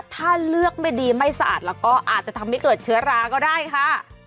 ถ้าเลือกไม่ดีไม่สะอาดแล้วก็อาจจะทำให้เกิดเชื้อราก็ได้ค่ะ